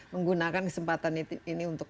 menggunakan kesempatan ini untuk